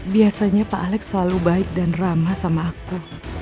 biasanya pak alex selalu baik dan ramah sama aku